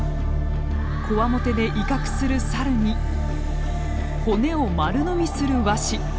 こわもてで威嚇するサルに骨を丸飲みするワシ。